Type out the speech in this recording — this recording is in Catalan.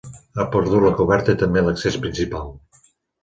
Ha perdut la coberta i també l'accés principal.